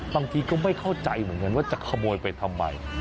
ก็ไม่เข้าใจเหมือนกันว่าจะขโมยไปทำไม